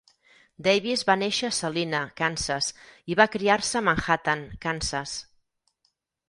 Davis va néixer a Salina, Kansas, i va criar-se a Manhattan, Kansas.